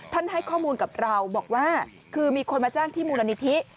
ให้ข้อมูลกับเราบอกว่าคือมีคนมาแจ้งที่มูลนิธิ